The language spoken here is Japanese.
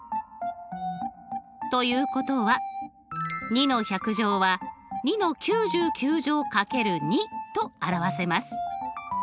ということは２の１００乗は２の９９乗掛ける２と表せます。